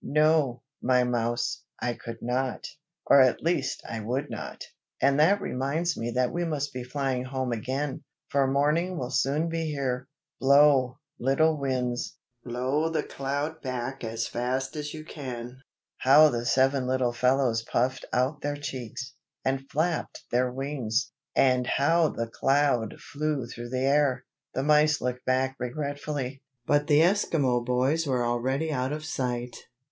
"No, my mouse, I could not, or at least I would not. And that reminds me that we must be flying home again, for morning will soon be here. Blow, little Winds, blow the cloud back as fast as you can." How the seven little fellows puffed out their cheeks, and flapped their wings! and how the cloud flew through the air! The mice looked back regretfully, but the Esquimaux boys were already out of sight.